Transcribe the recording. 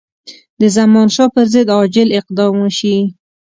د زمانشاه پر ضد عاجل اقدام وشي.